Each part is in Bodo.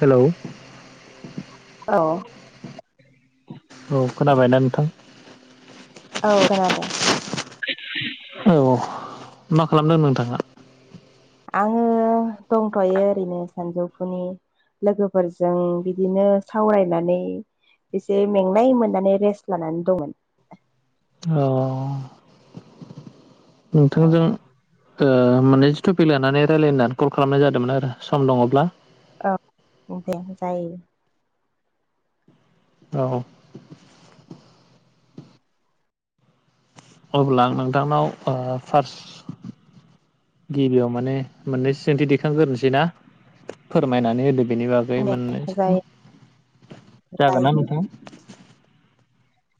हेलौ औ। औ खोनाबायना नोंथां? औ खोनादों। औ मा खालामदो नोंथाङा? आङो दंथ'यो ओरैनो सानजौफुनि। लोगोफोरजों बिदिनो सावरायनानै। एसे मेंनाय मोननानै रेस्ट लानानै दंमोन। अ। औ नोंथांजों। ओ मानैसो थुपिक लानानै रायलाय होनना कल खालामनाय जादोंमोन आरो सम दङब्ला औ दे जायो। औ। अब्ला आं नोंथांनाव ओ फार्स्त। गिबियाव माने मोननै सोंथि दैखांग्रोनोसै ना। फोरमायनानै होदो बेनि बागै दे मोननैसो जायो जागोन जायो ना नोंथां?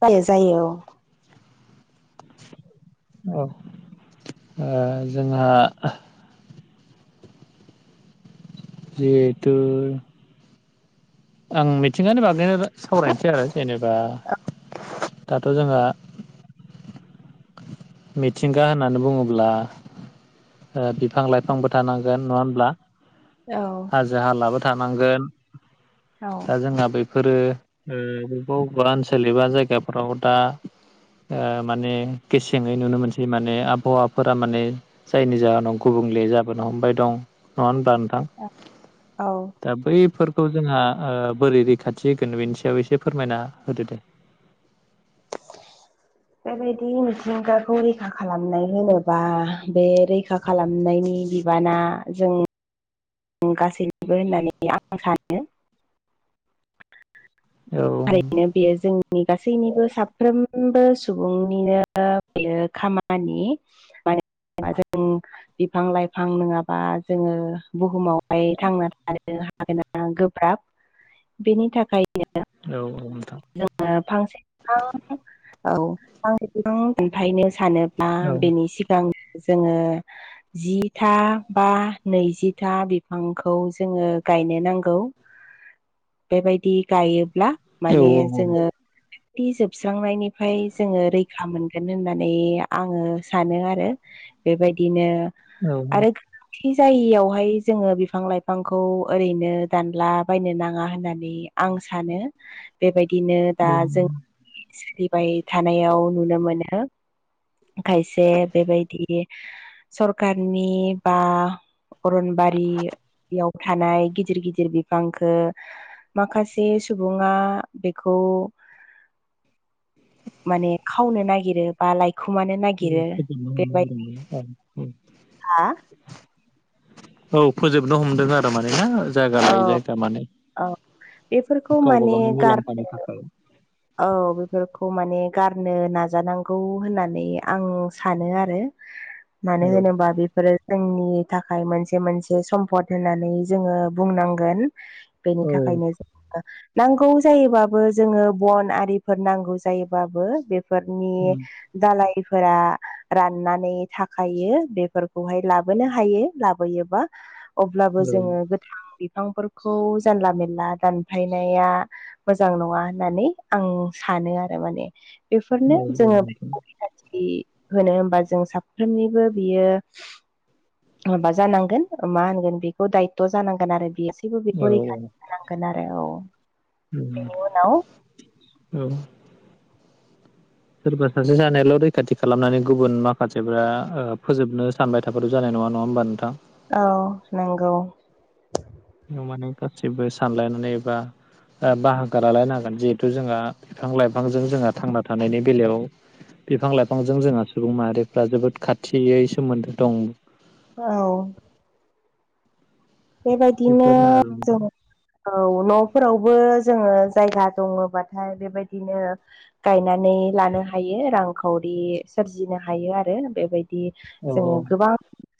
जायो जायो औ। औ ओ जोंहा। जिहेतु। आं मिथिंगानि बागैनो सावरायनोसै आरो जेनेबा दाथ' जोंहा। मिथिंगा होननानै बुङोब्ला ओ बिफां लाइफांबो थानांगोन नङा होमब्ला। औ। जाहाल आ बो थानांगोन औ दा जोंहा बे बेफोरो ओ बबेबा बबेबा ओनसोल एबा जायगाफोराव दा माने गेसेङै नुनो मोनसै माने आबहावाफोरा माने जायनि जाहोनाव गुबुंले जाबोनो हमबाय दं नङा होनब्ला नोंथां? औ औ। दा बैफोरखौ जोंहा ओ बोरै रैखाथि होगोन बेनि सायाव एसे फोरमायना होदो दे। बेबायदि मिथिंगाखौ रैखा खालामनाय होनोबा बे रैखा खालामनायनि बिबाना जों गासैनिबो होननानै आं सानो। औ औ थारैनो। बेयो जोंनि गासैनिबो साफ्रोमबो सुबुंनिनो बेयो खामानि। [unintelligible] बिफां लाइफां नङाबा जोंङो बुहुमावहाय थांना थानो हा हानाया गोब्राब बेनि थाखायनो औ औ नोंथां। जोंङो फांसे बिफां औ फांसे बिफां दानफायनो सानो। दा औ बेनि सिगां जोंङो। जिथा बा नैजिथा बिफांखौ जोंङो गायनो नांगौ। [inaudible] बेबायदि गायोब्ला औ माने जोंङो बि जोबस्रांनायनिफ्राय जोंङो रैखा मोनगोन होननानै आंङो सानो आरो। बेबायदिनो आरो। जि जायियावहाय जोंङो बिफां लाइफांखौ ओरैनो दानला बायनो नांङा होननानै आं सानो बेबायदिनो दा जों सोलिबाय थानायाव नुनो मोनो। खायसे बेबायदि सरखारारनि बा अरनबारियाव थानाय गिदिर गिदिर बिफांखो माखासे सुबुङा बेखौ माने खावनो नागिरो बा लाायखुमानो औ [unintelligible] औ फोजोबनो हमदों आरो माने ना जायगा लायै जायगा माने औ बेफोरखौ गावबा माने गावनि गार मुलाम्फानि थाखाय। औ बेफोरखौ माने गारनो नाजानांगौ होननानै आं सानो आरो [inaudible] मानो होनोबा बिफोरो जोंनि थाखाय मोनसे मोनसे सम्फद होननानै जोंङो बुंनांगोन। बेनि औ थाखायनो जों नांगौ जायोबाबो जोंङो बन आरिफोर नांगौ जायोबाबो बेफोरनि दालायफोरा राननानै थाखायो बेफोरखौहाय लाबोनो हायो लाबोयोबा अब्लाबो औ जोङो फां बिफांफोरखौ जानला मेनला दानफायनाया मोजां नङा होननानै आं सानो आरो माने बेफोरनो औ जोङो नोंथां होनो होमबा जों साफ्रोमनिबो बियो माबा जानांगोन मा होनगोन बेखौ दायथ' जानांगोन आरो बेसैबो बेखौ औ रैखा नांगोन आरो औ औ औ सोरबा सासे सानैयाल' रैखाथि खालामनानै गुबुन माखासेफ्रा ओ फोजोबनो सानबाय थाबाथ' जानाय नङा नङा होमबा नोंथां औ नंगौ न माने गासिबो सानलायनानै एबा ओ बाहागो लालायनांगोन जिहेथु जोंहा बिफां लाइफांजों जोंहा थांना थानायनि बेलायाव बिफां लाइफांजों जोंहा सुबुं माहारिफ्रा जोबोद खाथियै सोमोन्दो दं औ बेबायदिनो बेफोरनो आरो नोंथां जों औ न'फोरावबो जोङो जायगा दङबाथाय बेबायदिनो गायनानै लानो हायो रांखावरि सोरजिनो हायो आरो बेबाय दि औ जोङो औ गोबां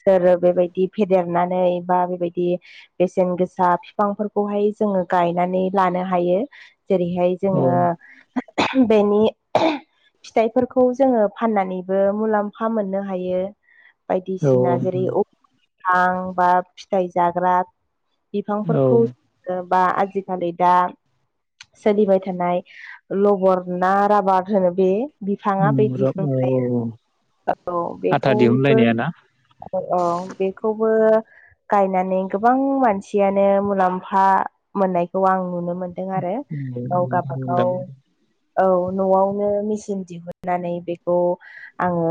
सोर बेबायदि फेदेरनानै बा बेबाय दि बेसेन गोसा फिफांफोरखौहाय जोङो गायनानै लानो हायो। जेरैहाय औ जोङो बेनि फिथाइफोरखौ जोङो फाननानैबो मुलाम्फा मोननो हायो। औ बायदिसिना जेरै [inaudible] फां फिथाइ जाग्रा औ बिफांफोरखौ बा आजिखालि दा सोलिबाय थानाय लबर ना राबार होनो बे बिफाङा बोय औ औ दिहुनग्राया औ आथा बेखौबो दिहुनलायनाया ना औ अ बेखौबो गायनानै गोबां मानसियानो मुलाम्फा मोननायखौ आं नुनो मो दों आरो गाव औ गाबागाव औ न'आवनो मेचिन दिहुननानै बेखौ आङो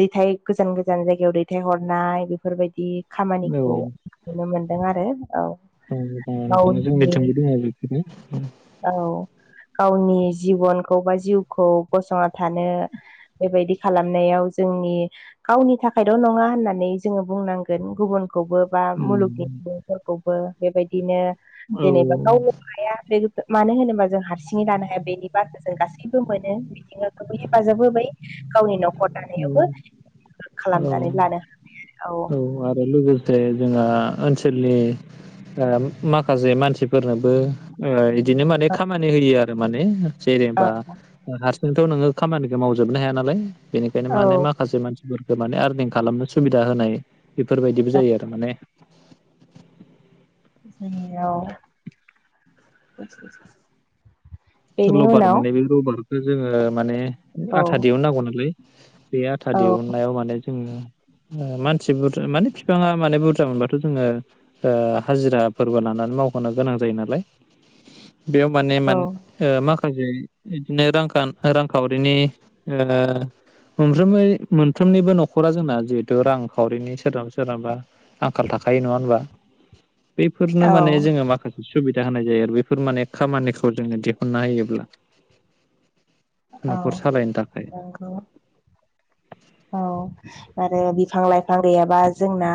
दैथाय गोजान गोजान जायगायाव दैथाय हरनाय बेफोरबायदि खामानिखौ नुनो मोनदों आरो औ [unintelligible] नोंथां गावनि जोंनिथिंबो दङ बिब्दिनो औ गावनि जिबनखौ बा जिउखौ गसंना थानो बेबायदि खालामनायाव जोंनि गावनि थाखायल' नङा होननानै जोङो बुंनांगोन गुबुनखौबो बा मुलुगनि सुबुंफोरखौबो बेबायदिनो औ जेनेबा गाव हाया मानो होनोबा जों हारसिङै लानो हाया बेनि बारखौ जों गासैबो मोनो। मिथिंगाखौबो हेफाजाब होबाय गावनि न'खर दानायावबो [inaudible] औ खालामनानै लानो हाबाय आरो औ आरो लोगोसे जोंहा ओनसोलनि आं माखासे मानसिफोरनोबो ओ इदिनो माने खामानि होयो आरो माने जेनेबा औ हारसिंथ' नोङो खामानिखौ मावजोबनो हाया नालाय बेनिखायनो औ माने मा माखासे मानसिफोरखौ माने आरनिं खालामनो सुबिदा होनाय बेफोरबायदिबो जायो आरो माने जोंनियाव लबार मोनो बे लबारखौ जोङो माने औ आथा दिहुन नांगौ नालाय बे आथा औ दिहुननायाव माने जोङो ओ मानसि बुरजा माने बिफाङा माने बुरजा मोनबाथ' जोङो ओ हाजिरा फोरबो लानानै मावफानो गोनां जायो नालाय बेयाव माने औ ओ माखासे इदिनो रां खान रांखावरिनि ओ मोनफ्रोमबो मोनफ्रोमनिबो न'खरा जोंना जिहेथु रांखावरिनि सोरनाबा सोरनाबा आंखाल थाखायो नङा होनबा बेफोरनो औ माने जोङो माखासे सुबिदा होनाय जायो आरो बेफोर माने खामानिखौ जोङो दिहुनना होयोब्ला न'खर सालायनो थाखाय आखौ औ आरो बिफां लाइफां गैयाबा जोंना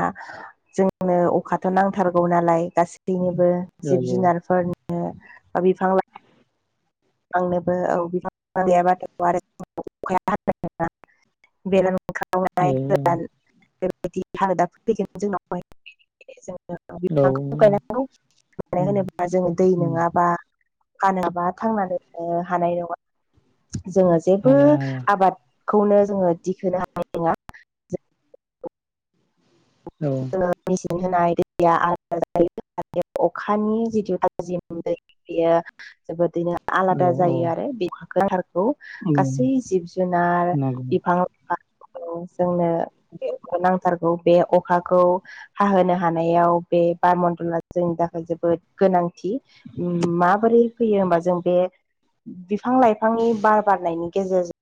जोंनो अखथ' नांथारगौ नालाय गाससिबो गासैबो औ जिब जुनारफोरनो बा बिफां लाइ आंनोबो औ बिां गैयाबाथ आरो [unintelligible] ओंखनाय गोदान बेफोरबायदि हालोदाफोर फैगोन जोंनावहाय जोङ औ बिफांखौ गायनांगौ उम होनोब्ला जोङो दै उम नङाबा फानाबा थांनानै हानाय नङा जोङो जेबो हाया हाया आबादखौनो जोङो दिखोनो हा औ मेचन होनाय दैया आलादा जायो अखानि जिथु थाजिम दै बेयो जोबोदैनो औ आलादा औ जायो आरो बे गोथारखौ गासै जिब जुनार नंगौ बिफां लाइफां जोंनो नांथारगौ बे अखाखौ हाहोनो हानायाव बे बार मन्दला जोंनि थाखाय जोबोद गोनांथि माबोरै फैयो होमबा जों बे बिफां लाइफांनि बार बारनायनि गेजेरजों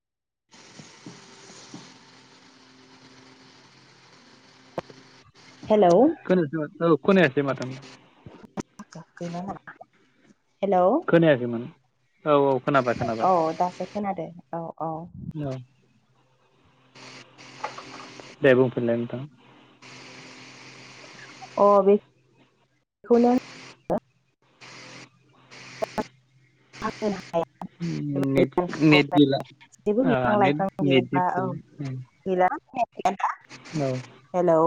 हेलौ औ खोनायासै माथो हेल' खोनायाखैमोन औ औ खोनाबाय खोनाबाय औ दासो खोनादो औ औ औ दे बुंफोनलाय नोंथां अ बे बेखौनो आ होनो हाया नेथ नेेथ नेद गैला जेबो आ बिफां लाइफां नेथ गैयाबा औ [unintelligible] औ हेलौ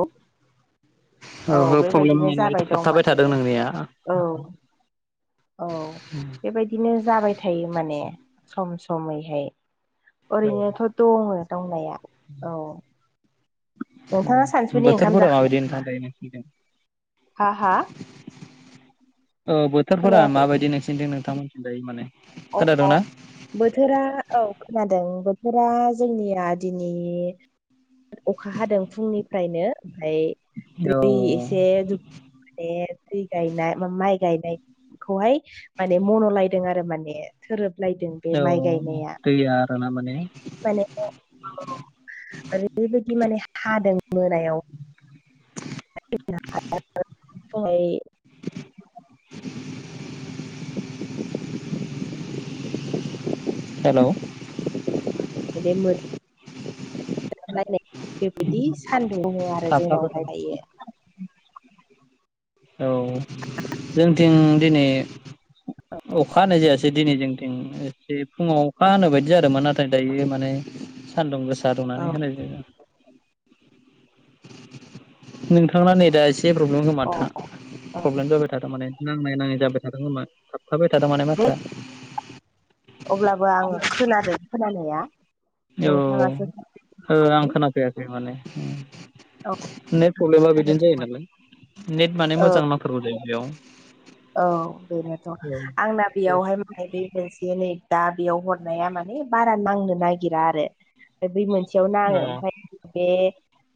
औ हो प्रब्लेम बेबायदिनो माने जाबाय दं थाबथाबाय माने थादों नोंनिया औ औ बेबायदिनो जाबाय थायो माने सम समैहाय ओरैनोथ' दङो दंनाया औ नोंथाङा सानसुनि ओंखाम बोथोरफोरा माबायदि जाखांबाय नोंथां नामा दायो नोंसिनिथिं हा हा औ बोथोरफोरा खोनायाखै माबायदि नोंसिनि थिं नोंथांमोननिथि माने अ अ खोनादोंना बोथोरा औ खोनादों बोथोरा जोंनिया दिनै अखा हादों फुंनिफ्रायनो ओमफाय दै औ एसे माने दै गायनाय माइ गायनायखौहाय माने मन'लायदों आरो माने थोरोबलायदों बे औ माइ गायनाया दैया आरोना माने माने ओरैबायदि माने हादों मोनायाव [unintelligible] [unintelligible] [unintelligible] हेलौ [unintelligible] नायनाय बेबायदि सान्दुं दुङ आरो थाबथाबाय जोंनावहाय थादों। दायो औ जोंथिं दिनै आ अखा हानाय जायासै दिनै जोंथिं एसे फुङाव अखा हानाय बायदि जादोंमोन नाथाय दायो माने सान्दुं गोसा रंनानै औ होनाय जायो नोंथांना नै दा एसे नेत प्रब्लेम होनोमाथा अ अ प्रब्लेम जाबाय थाथारमाने नांनाय नाङि जाबाय थादों खोमा थाबथाबाय थदों माने दे माथोआ अब्लाबो आङो खोनादों खोनानाया औ नोंथाङासो ओ आं खोनाफैाखै माने औ नेट प्रब्लेमा बिदिनो जायो खोनादोंमोन नालाय नेट माने औ मोजां नामफोरबो जायो बेयाव औ बेनोथ' आंना बेयावहाय माने बे एसे नै दा बेयाव हरनाया माने बारा नांनो नागिरा आरो बै मोनसे खाथियाव औ नाङो ओमफ्राय बे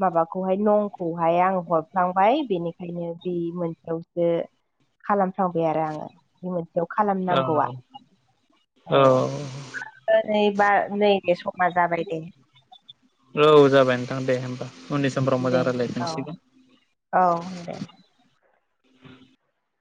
माबाखौहाय नंखौहाय आं हरफ्लांबाय बेनिखायनो बे मोनसेयावसो खालामफ्रावबायै आरो आङो बे मोनसेयाव खालामनांगौआ औ औ नैबा नैबे समा जाबाय दे औ जाबाय नोंथां दे होमबा उननि समफ्राव दे मोजां औ रायज्लायफिनसिगोन औ दे